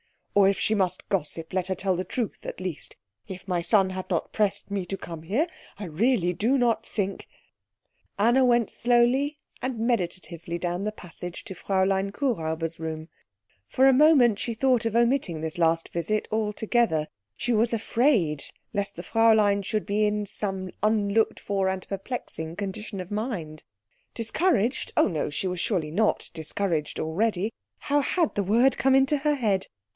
"Or, if she must gossip, let her tell the truth at least. If my son had not pressed me to come here I really do not think " Anna went slowly and meditatively down the passage to Fräulein Kuhräuber's room. For a moment she thought of omitting this last visit altogether; she was afraid lest the Fräulein should be in some unlooked for and perplexing condition of mind. Discouraged? Oh no; she was surely not discouraged already. How had the word come into her head?